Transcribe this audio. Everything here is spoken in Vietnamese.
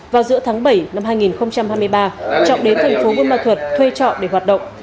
vào giữa tháng bảy năm hai nghìn hai mươi ba trọng đến thành phố buôn ma thuật thuê trọ để hoạt động